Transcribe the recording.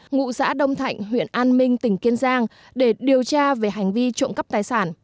ngụ xã đông thạnh huyện an minh tỉnh kiên giang để điều tra về hành vi trộm cắp tài sản